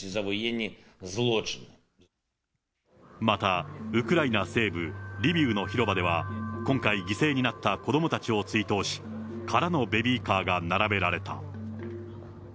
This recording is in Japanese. また、ウクライナ西部リビウの広場では、今回犠牲になった子どもたちを追悼し、空のベビーカーが並べられた。